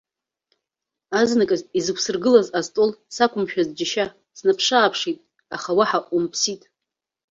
Азныказ изықәсыргылаз астол сақәымшәаз џьышьа снаԥшы-ааԥшит, аха уаҳа умԥсит.